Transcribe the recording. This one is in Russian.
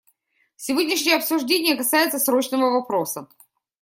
Сегодняшнее обсуждение касается срочного вопроса.